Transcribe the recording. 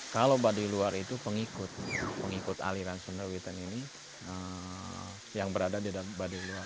kalau baduiluar itu pengikut pengikut aliran sundaewitan ini yang berada di baduiluar